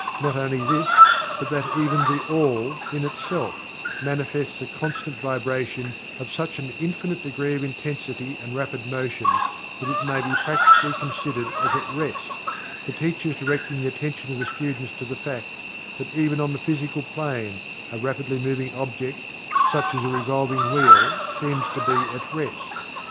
Not only this, but that even THE ALL, in itself, manifests a constant vibration of such an infinite degree of intensity and rapid motion that it may be practically considered as at rest, the teachers directing the attention of the students to the fact that even on the physical plane a rapidly moving object (such as a revolving wheel) seems to be at rest.